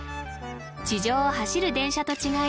地上を走る電車と違い